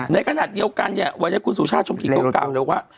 ในขณะเดียวกันเนี่ยวัยกุลสุชาติชมกิจกรกรรมเรียกว่า